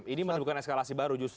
ini menimbulkan eskalasi baru justru